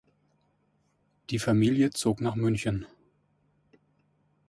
Die Familie zog nach München.